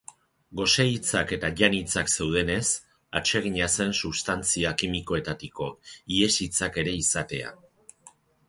Gose-hitzak eta jan-hitzak zeudenez, atsegina zen substantzia kimikoetatiko ihes-hitzak ere izatea.